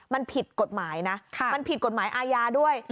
มันผิดกฎหมายนะมันผิดกฎหมายอาญาด้วย